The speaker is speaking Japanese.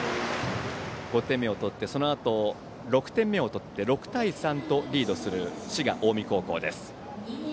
５点目を取ってそのあと６点目を取って６対３とリードする滋賀・近江高校です。